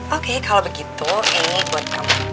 oke kalau begitu ini buat kamu